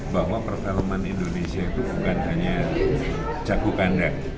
bahwa perfilman indonesia itu bukan hanya jago kandang